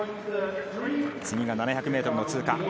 次が７００ｍを通過。